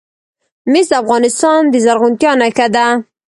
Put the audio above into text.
مس د افغانستان د زرغونتیا نښه ده.